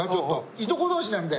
いとこ同士なんで。